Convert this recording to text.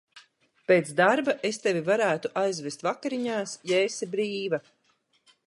Pēc darba es tevi varētu aizvest vakariņās, ja esi brīva.